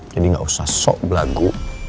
jadi gak usah sok belagu